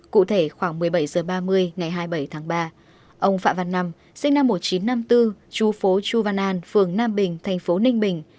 cụ thể khoảng một mươi bảy h ba mươi ngày hai mươi bảy tháng ba ông phạm văn năm sinh năm một nghìn chín trăm năm mươi bốn chú phố chu văn an phường nam bình thành phố ninh bình